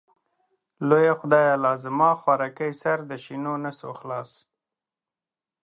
لويه خدايه لازما خوارکۍ سر د شينونسو خلاص.